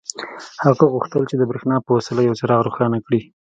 هغه غوښتل چې د برېښنا په وسیله یو څراغ روښانه کړي